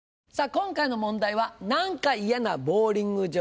今回の問題は「何か嫌なボウリング場とは？」。